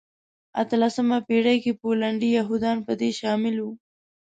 اتلمسې پېړۍ کې پولنډي یهودان په دې شامل وو.